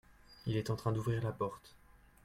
Il est en train d'ouvrir la porte.